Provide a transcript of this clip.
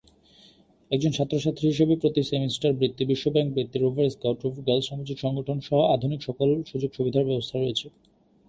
একজন ছাত্র-ছাত্রী হিসেবে প্রতি সেমিস্টার বৃত্তি, বিশ্বব্যাংক বৃত্তি, রোভার স্কাউট, রোভার গার্লস, সামাজিক সংগঠন সহ আধুনিক সকল সুযোগ-সুবিধার ব্যবস্থা রয়েছে।